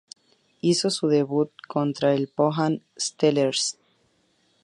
Hizo su debut contra el Pohang Steelers.